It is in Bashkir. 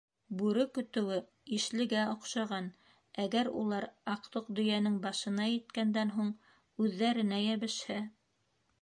Бүре көтөүе ишлегә оҡшаған, әгәр улар, аҡтыҡ дөйәнең башына еткәндән һуң, үҙҙәренә йәбешһә?..